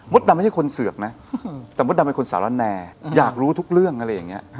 ดำไม่ใช่คนเสือกนะแต่มดดำเป็นคนสารแนอยากรู้ทุกเรื่องอะไรอย่างนี้